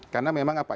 karena memang apa